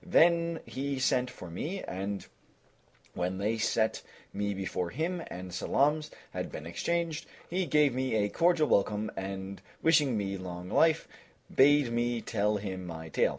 Then he sent for me, and when they set me before him and salams had been exchanged, he gave me a cordial welcome and wishing me long life bade me tell him my tale.